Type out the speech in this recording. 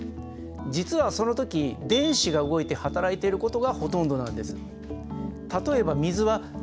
実はその時電子が動いて働いていることがほとんどなんです。